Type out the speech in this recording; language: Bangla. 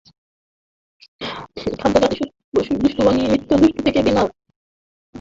খাদ্য জাতিদুষ্ট ও নিমিত্তদুষ্ট হয়েছে কিনা, তা সকল সময়েই খুব নজর রাখতে হয়।